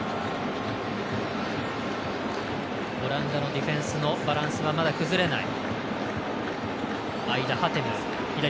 オランダのディフェンスのバランスはまだ崩れない。